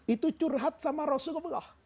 itu curhat sama rasulullah